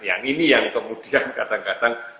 yang ini yang kemudian kadang kadang